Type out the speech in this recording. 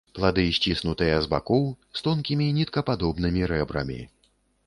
Плады сціснутыя з бакоў, з тонкімі ніткападобнымі рэбрамі.